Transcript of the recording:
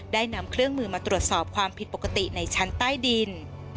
ได้นำเครื่องมือมาตรวจสอบความผิดปกติในชั้นใต้ดิน